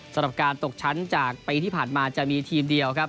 สำหรับการตกชั้นจากปีที่ผ่านมาจะมีทีมเดียวครับ